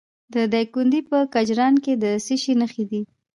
د دایکنډي په کجران کې د څه شي نښې دي؟